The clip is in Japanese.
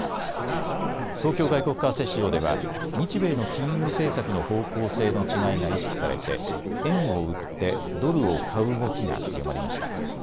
東京外国為替市場では日米の金融政策の方向性の違いが意識されて円を売ってドルを買う動きが強まりました。